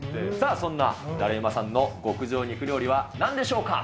そんなだれウマさんの極上肉料理はなんでしょうか。